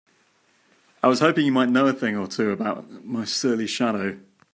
I was hoping you might know a thing or two about my surly shadow?